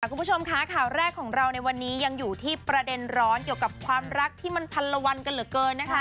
คุณผู้ชมคะข่าวแรกของเราในวันนี้ยังอยู่ที่ประเด็นร้อนเกี่ยวกับความรักที่มันพันละวันกันเหลือเกินนะคะ